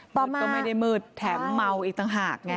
ก็ไม่ได้มืดแถมเมาอีกต่างหากไง